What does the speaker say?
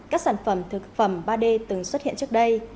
các sản phẩm thực phẩm ba d từng xuất hiện trước đây